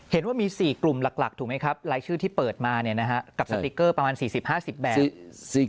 เห็นว่ามี๔กลุ่มหลักถูกไหมครับรายชื่อที่เปิดมากับสติ๊กเกอร์ประมาณ๔๐๕๐แบบ